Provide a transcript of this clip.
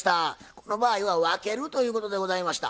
この場合は分けるということでございました。